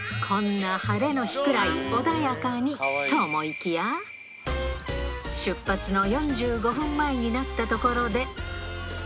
こんな晴れの日くらい穏やかにと思いきや、出発の４５分前になったところで。